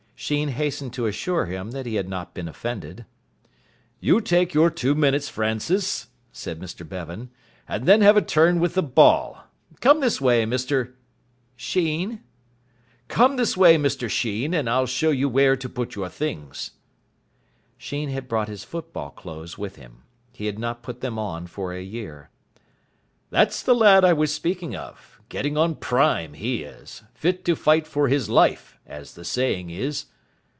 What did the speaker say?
Sheen hastened to assure him that he had not been offended. "You take your two minutes, Francis," said Mr Bevan, "and then have a turn with the ball. Come this way, Mr " "Sheen." "Come this way, Mr Sheen, and I'll show you where to put on your things." Sheen had brought his football clothes with him. He had not put them on for a year. "That's the lad I was speaking of. Getting on prime, he is. Fit to fight for his life, as the saying is."